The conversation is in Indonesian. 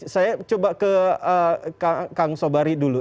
saya coba ke kang sobari dulu